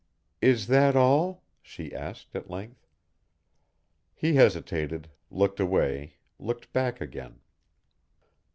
"Is that all?" she asked at length. He hesitated, looked away, looked back again.